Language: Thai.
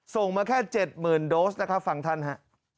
ส่งมาแค่เจ็ดหมื่นนะครับฟังท่านฮะ